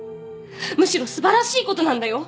むしろ素晴らしいことなんだよ！